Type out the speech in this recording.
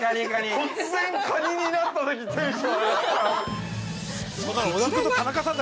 ◆突然、カニになったときテンション上がった。